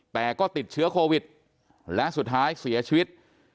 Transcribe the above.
แต่ก็ติดเชื้อโควิดและสุดท้ายเสียชีวิต